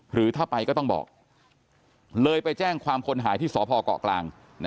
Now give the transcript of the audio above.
หรือถ้าไปก็ต้องบอกเลยไปแจ้งความคนหายที่สพเกาะกลาง